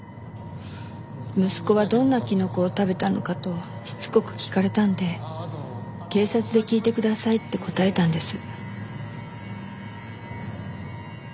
息子はどんなキノコを食べたのかとしつこく聞かれたので警察で聞いてくださいって答えたんです。